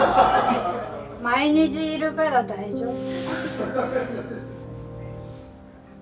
毎日いるから大丈夫。